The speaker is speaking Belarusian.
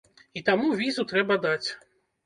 І таму візу трэба даць.